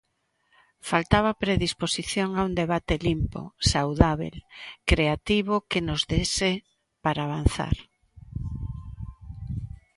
Faltaba predisposición a un debate limpo, saudábel, creativo que nos dese para avanzar.